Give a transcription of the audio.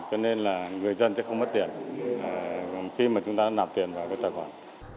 cho nên là người dân sẽ không mất tiền khi mà chúng ta nạp tiền vào cái tài khoản